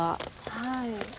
はい。